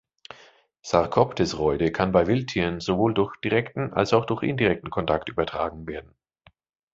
Sarcoptes-Räude kann bei Wildtieren sowohl durch direkten als auch durch indirekten Kontakt übertragen werden.